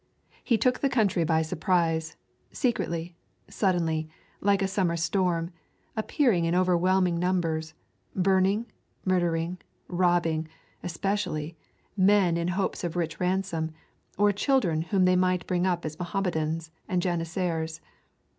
He took the country by surprise, secretly, suddenly, like a summer storm, appearing in overwhelming numbers, burning, murdering, robbing, especially, men in the hopes of a rich ransom, or children whom they might bring up as Mohammedans and janissaries.